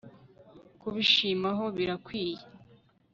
kubishimaho birakwiye